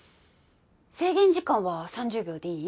制限時間は３０秒でいい？